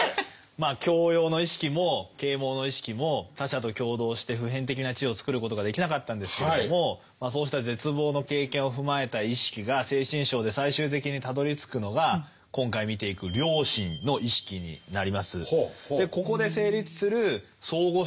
まあ教養の意識も啓蒙の意識も他者と共同して普遍的な知をつくることができなかったんですけれどもそうした絶望の経験を踏まえた意識が「精神章」で最終的にたどりつくのが今回見ていく良心の意識になります。